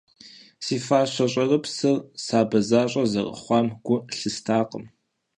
Си фащэ щӏэрыпсыр сабэ защӏэ зэрыхъуам гу лъыстакъым.